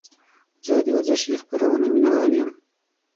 زه د ورزشي خپرونو مینهوال یم.